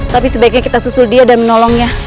tapi sebaiknya kita susul dia dan menolongnya